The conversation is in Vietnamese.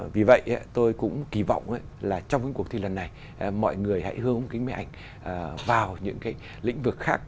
vì vậy tôi cũng kỳ vọng là trong những cuộc thi lần này mọi người hãy hướng kính mẹ ảnh vào những cái lĩnh vực khác